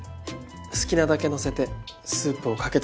好きなだけのせてスープをかけてどうぞ。